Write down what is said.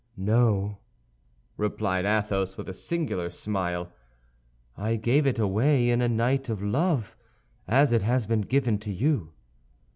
"No," replied Athos, with a singular smile. "I gave it away in a night of love, as it has been given to you."